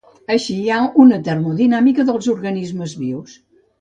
Així hi ha una termodinàmica dels organismes vius.